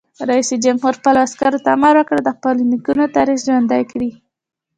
رئیس جمهور خپلو عسکرو ته امر وکړ؛ د خپلو نیکونو تاریخ ژوندی کړئ!